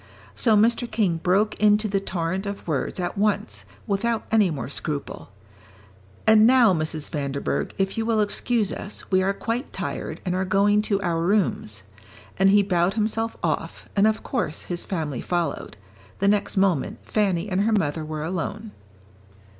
So Mr. King broke into the torrent of words at once, without any more scruple. "And now, Mrs. Vanderburgh, if you will excuse us, we are quite tired, and are going to our rooms." And he bowed himself off, and of course his family followed; the next moment Fanny and her mother were alone.